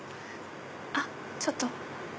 あっちょっと。